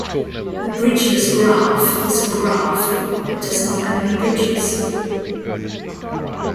A bridgeless graph is a graph that does not have any bridges.